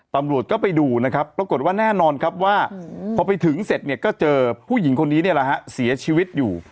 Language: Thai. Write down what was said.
ตำรวจก็ไปดูปรากฏว่าแน่นอนว่าพอไปถึงเสร็จก็เจอผู้หญิงคนนี้เสียชีวิตอยู่